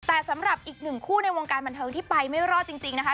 แต่สำหรับอีกหนึ่งคู่ในวงการบันเทิงที่ไปไม่รอดจริงนะคะ